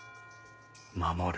守る。